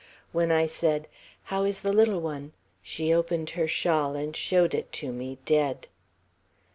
When I said, 'How is the little one?' she opened her shawl and showed it to me, dead.